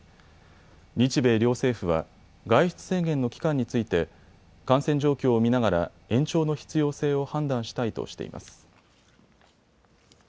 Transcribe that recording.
日米両政府は外出制限の期間について感染状況を見ながら延長の必要性を判断したいとしています。